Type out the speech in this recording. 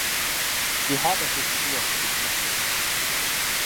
She had a history of depression.